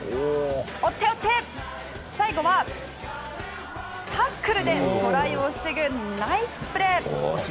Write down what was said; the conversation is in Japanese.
追って追って最後はタックルでトライを防ぐ、ナイスプレー。